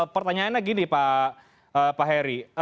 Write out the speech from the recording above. pertanyaannya gini pak heri